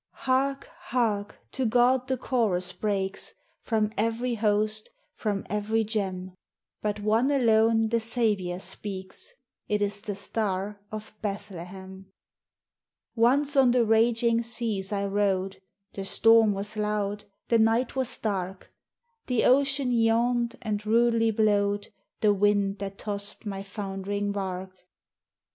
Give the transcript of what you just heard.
Hark ! hark ! to God the chorus breaks, From every host, from every gem : But one alone the Saviour speaks, It is the Star of Bethlehem. 00 THE HIGHER LIFE. Once on the raging seas I rode. The storm was loud, the night was dark, The ocean yawned, and rudely blowed The wind that tossed my foundering bark.